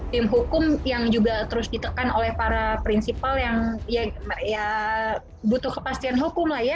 tim hukum yang juga terus ditekan oleh para prinsipal yang ya butuh kepastian hukum lah ya